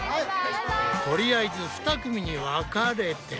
とりあえず二組に分かれて。